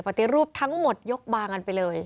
ปฏิรูปทั้งหมดยกบางกันไปเลย